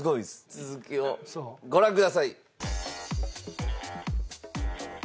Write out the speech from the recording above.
続きをご覧ください。